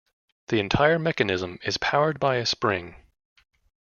The entire mechanism is powered by a spring.